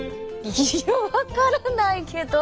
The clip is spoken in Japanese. いや分からないけど。